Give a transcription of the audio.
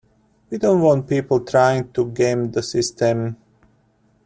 We don't want people trying to game the system.